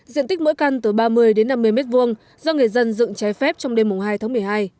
diện tích mỗi căn từ ba mươi đến năm mươi m hai do người dân dựng trái phép trong đêm hai tháng một mươi hai